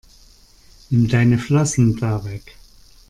Nimm deine Flossen da weg!